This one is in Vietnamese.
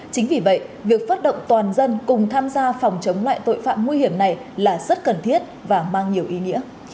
chính vì vậy việc phát động toàn dân cùng tham gia phòng chống loại tội phạm nguy hiểm này là rất cần thiết và mang nhiều ý nghĩa